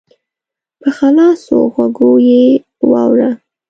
په خلاصو غوږو یې واوره !